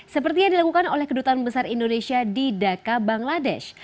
seperti yang dilakukan oleh kedutaan besar indonesia di dhaka bangladesh